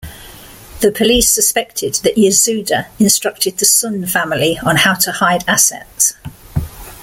The police suspected that Yasuda instructed the Sun family on how to hide assets.